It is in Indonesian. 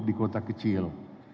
di kota kecil